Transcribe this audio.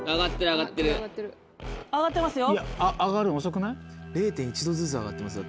上がってるよ。